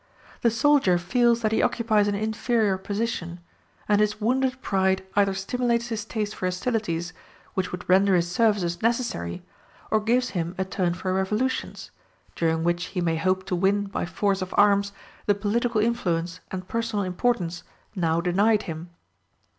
The soldier feels that he occupies an inferior position, and his wounded pride either stimulates his taste for hostilities which would render his services necessary, or gives him a turn for revolutions, during which he may hope to win by force of arms the political influence and personal importance now denied him.